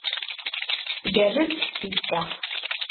Tgerrez teftist-a.